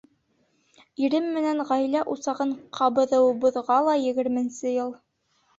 Ирем менән ғаилә усағын ҡабыҙыуыбыҙға ла егерменсе йыл.